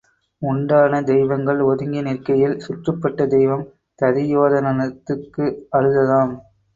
உண்டான தெய்வங்கள் ஒதுங்கி நிற்கையில் சுற்றுப்பட்ட தெய்வம் ததியோதனத்துக்கு அழுததாம்.